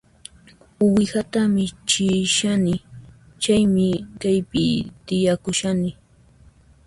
Uwihata michishani, chaymi kaypi tiyakushani